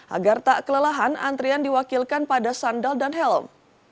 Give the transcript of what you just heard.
agar tak kelelahan antrian diwakilkan pada sandal dan helm